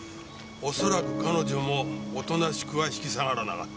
恐らく彼女もおとなしくは引き下がらなかった。